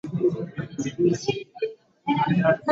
virusi hivyo vilikuwa vinasababisa ugonjwa wa ukimwi